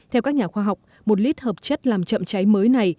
theo các nhà khoa học một lít hợp chất làm chậm cháy mới này